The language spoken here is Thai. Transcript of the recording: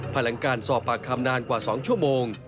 พลังการสอบปากคำนานกว่าสองชั่วโมง